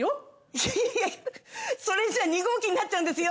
いやいやそれじゃあ弐号機になっちゃうんですよ。